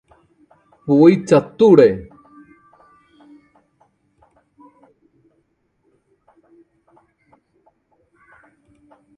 പോയി ചത്തൂടെ?